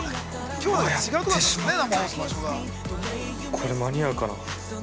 これ、間に合うかな。